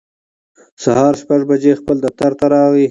سهار شپږ بجې خپل دفتر راغی